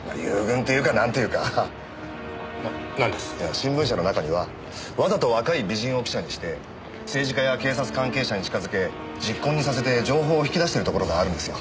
新聞社の中にはわざと若い美人を記者にして政治家や警察関係者に近づけ昵懇にさせて情報を引き出してるところがあるんですよ。